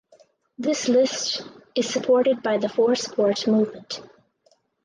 This list is supported by the For Sport movement.